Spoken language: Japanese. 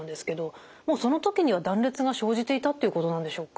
もうその時には断裂が生じていたっていうことなんでしょうか？